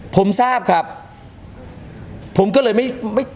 ผมทราบครับผมก็เลยไม่ไม่